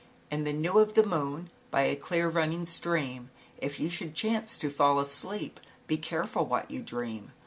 "In the new of the moon, By a clear running stream, If you should chance to fall asleep, Be careful what you dream.